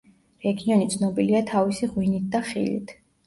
რეგიონი ცნობილია თავისი ღვინით და ხილით.